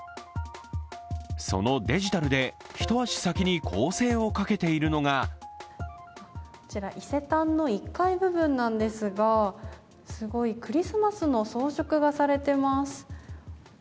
そのデジタルで一足先に攻勢をかけているのがこちら、伊勢丹の１階部分なんですが、すごい、クリスマスの装飾がされています。